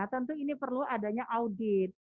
tentu ini perlu adanya audit